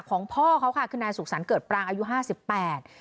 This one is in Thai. พ่อเขาค่ะคือนายสุขสรรคเกิดปรางอายุห้าสิบแปด